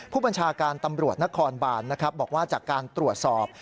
ผู้บัญชาการตำรวจนครบานนะครับบอกว่าจากการตรวจสอบ